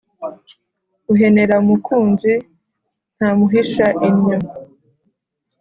uhenera umukunzi ntamuhisha innyo